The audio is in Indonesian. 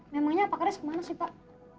memangnya pak kades kemana sih pak